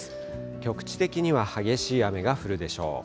局地的には激しい雨が降るでしょう。